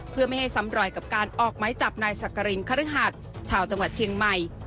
เพื่อไม่ให้ซ้ำรอยกับการออกไม้จับนายสักกรินคฤหัสชาวจังหวัดเชียงใหม่